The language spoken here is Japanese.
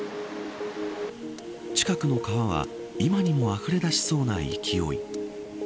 近くの川は今にもあふれ出しそうな勢い。